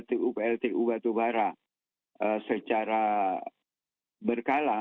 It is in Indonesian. itu pltu batubara secara berkala